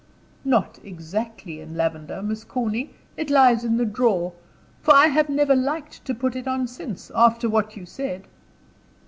"Not exactly in lavender, Miss Corny. It lies in the drawer; for I have never liked to put it on since, after what you said."